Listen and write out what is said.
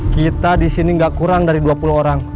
kita disini gak kurang dari dua puluh orang